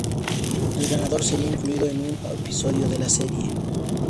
El ganador sería incluido en un episodio de la serie.